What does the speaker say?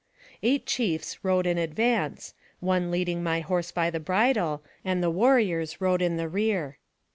Eight chiefs rode in advance, one leading my horse by the bridle, and the warriors rode in the rear.